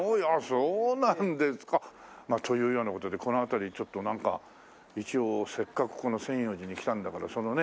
そうなんですか。というような事でこの辺り一応せっかくこの千葉寺に来たんだからそのね